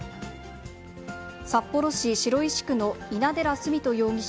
札幌市白石区の稲寺純人容疑者